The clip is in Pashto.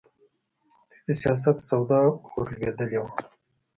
دوی د سیاست سودا ورلوېدلې وه.